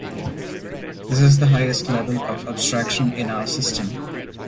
This is the highest level of abstraction in our system.